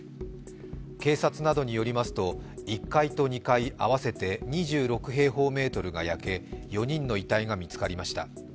警察などによりますと１階と２階合わせて２６平方メートルが焼け４人の遺体が見つかりました。